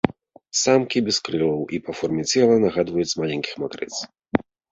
Самкі без крылаў і па форме цела нагадваюць маленькіх макрыц.